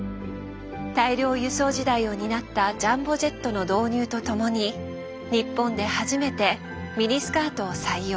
大量輸送時代を担った「ジャンボジェット」の導入とともに日本で初めて「ミニスカート」を採用。